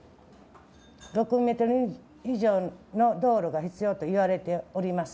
６ｍ以上の道路が必要といわれております。